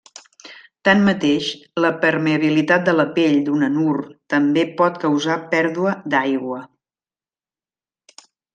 Tanmateix, la permeabilitat de la pell d'un anur també pot causar pèrdua d'aigua.